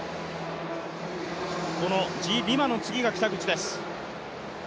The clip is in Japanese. このジリマの次が北口です。